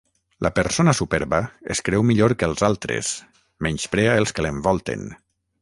La persona superba es creu millor que els altres, menysprea els que l'envolten.